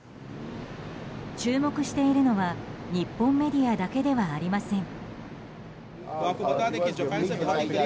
注目しているのは日本メディアだけではありません。